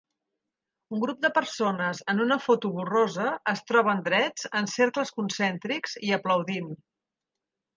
Un grup de persones en una foto borrosa es troben drets en cercles concèntrics i aplaudint.